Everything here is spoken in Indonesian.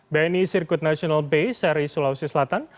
bni circuit national bay seri sulawesi selatan